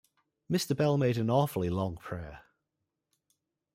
Mr. Bell made an awfully long prayer.